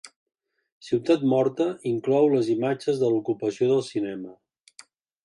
Ciutat Morta inclou les imatges de l'ocupació del cinema.